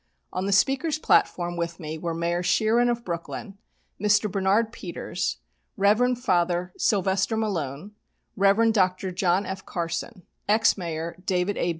On the speaker's platform with me were Mayor Schieren, of Brooklyn, Mr. Barnard Peters, Rev. Father Sylvester Malone, Rev. Dr. John F. Carson, ex Mayor David A.